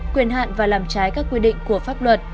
quyền hạn và làm trái các quy định của pháp luật